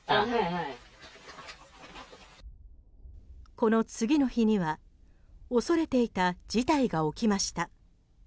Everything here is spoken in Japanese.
この次の日には恐れていた事態が起きました。